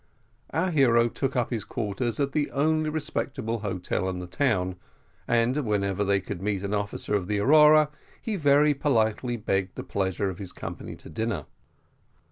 Our hero took up his quarters at the only respectable hotel in the town, and whenever he could meet an officer of the Aurora, he very politely begged the pleasure of his company to dinner.